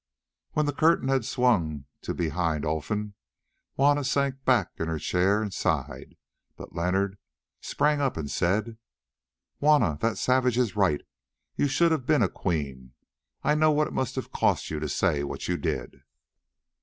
When the curtain had swung to behind Olfan, Juanna sank back in her chair and sighed, but Leonard sprang up and said: "Juanna, that savage is right, you should have been a queen. I know what it must have cost you to say what you did."